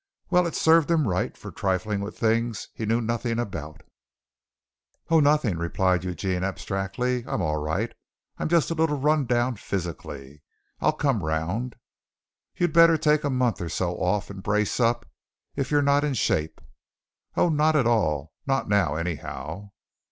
Well, it served him right for trifling with things he knew nothing about. "Oh, nothing," replied Eugene abstractedly. "I'm all right. I'm just a little run down physically. I'll come round." "You'd better take a month or so off and brace up, if you're not in shape." "Oh, not at all! Not now, anyhow."